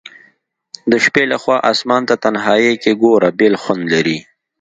د شپي لخوا آسمان ته تنهائي کي ګوره بیل خوند لري